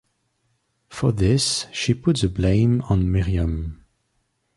For this she put the blame on Miriam.